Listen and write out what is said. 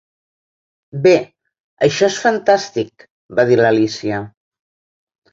"Bé, això és fantàstic!" va dir l'Alícia.